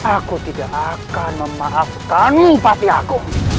aku tidak akan memaafkanmu bapakku